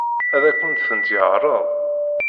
Ad akent-tent-yeɛṛeḍ?